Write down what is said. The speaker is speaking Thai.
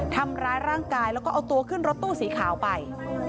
ทำร้ายร่างกายแล้วก็เอาตัวขึ้นรถตู้สีขาวไป